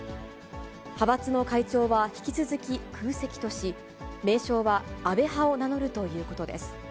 派閥の会長は引き続き、空席とし、名称は安倍派を名乗るということです。